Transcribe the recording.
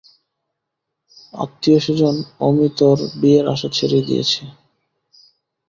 আত্মীয়স্বজন অমিতর বিয়ের আশা ছেড়েই দিয়েছে।